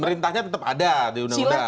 perintahnya tetap ada di undang undang